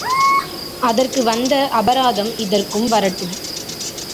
அதற்கு வந்த அபராதம் இதற்கும் வரட்டும்.